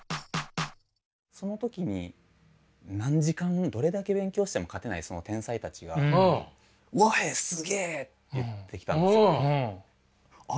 その時に何時間どれだけ勉強しても勝てないその天才たちが「和平すげえ！」って言ってきたんです。